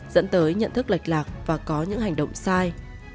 dẫn tới nhận thức lệch lạc và có những hành động sai